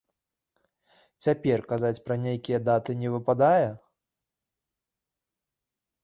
Цяпер казаць пра нейкія даты не выпадае?